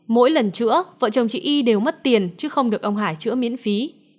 mỗi lần chữa vợ chồng chị y đều mất tiền chứ không được ông hải chữa miễn phí